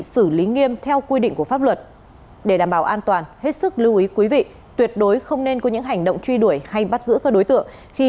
xin chào và hẹn gặp lại